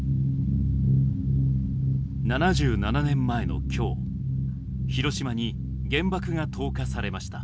７７年前の今日広島に原爆が投下されました。